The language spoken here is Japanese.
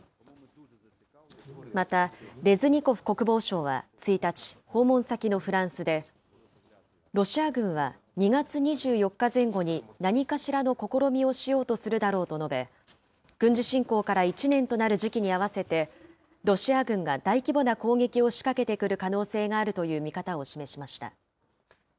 またレズニコフ国防相は１日、訪問先のフランスで、ロシア軍は２月２４日前後に何かしらの試みをしようとするだろうと述べ、軍事侵攻から１年となる時期に合わせて、ロシア軍が大規模な攻撃を仕掛けてくる可能性があるという見方を示しました。